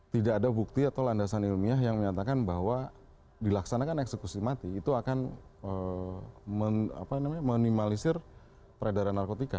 tidak ada bukti atau landasan ilmiah yang menyatakan bahwa dilaksanakan eksekusi mati itu akan meminimalisir peredaran narkotika